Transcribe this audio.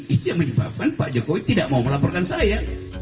itu yang menyebabkan pak jokowi tidak mau melaporkan saya